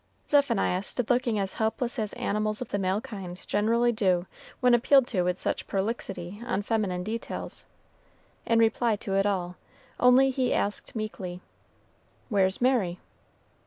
Zephaniah stood looking as helpless as animals of the male kind generally do when appealed to with such prolixity on feminine details; in reply to it all, only he asked meekly, "Where's Mary?"